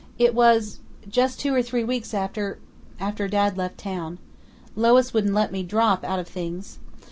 It was just two or three weeks after after Dad left town. Lois wouldn't let me drop out of things....